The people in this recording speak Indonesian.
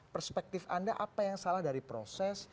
perspektif anda apa yang salah dari proses